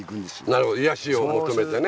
なるほど癒やしを求めてね。